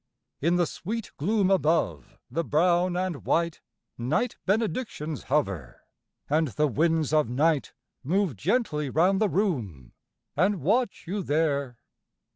In the sweet gloom above the brown and white Night benedictions hover; and the winds of night Move gently round the room, and watch you there.